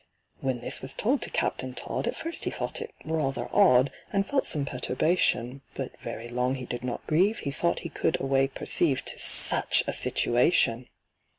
When this was told to CAPTAIN TODD, At first he thought it rather odd, And felt some perturbation; But very long he did not grieve, He thought he could a way perceive To such a situation!